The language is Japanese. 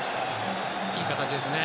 いい形ですね。